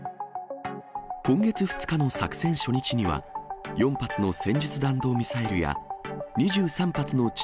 今月２日の作戦初日には、４発の戦術弾道ミサイルや２３発の地